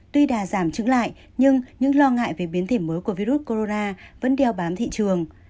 tuy đà giảm trưởng lại nhưng những lo ngại về biến thể mới của virus corona vẫn đeo bám thị trường